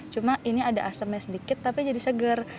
cuma ini ada asamnya sedikit tapi jadi segar